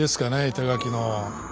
板垣の。